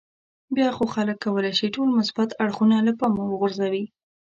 بیا خو خلک کولای شي ټول مثبت اړخونه له پامه وغورځوي.